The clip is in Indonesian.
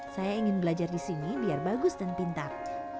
saya ingin belajar di sini biar bagus dan pintar